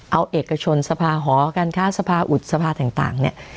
เอาเอกชนสภาหอการค้าสภาอุดสภาต่างเนี่ย